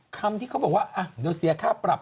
คำที่เขาบอกว่าเดี๋ยวเสียค่าปรับ